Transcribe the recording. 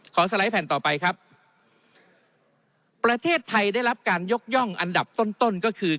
สไลด์แผ่นต่อไปครับประเทศไทยได้รับการยกย่องอันดับต้นต้นก็คือ